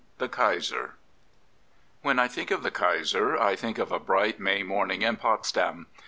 THE KAISER When I think of the Kaiser I think of a bright May morning at Potsdam.